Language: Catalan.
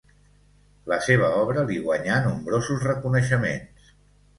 La seva obra li guanyà nombrosos reconeixements.